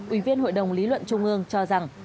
ủy viên hội đồng lý luận trung ương cho rằng